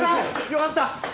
よかった！